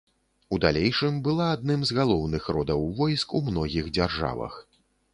У далейшым была адным з галоўных родаў войск у многіх дзяржавах.